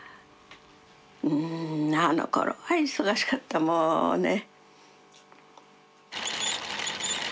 うんあのころは忙しかったもうね。